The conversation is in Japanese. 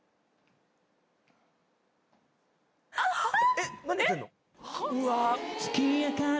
えっ何してんの！？